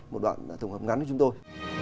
một đoạn thùng hợp ngắn của chúng tôi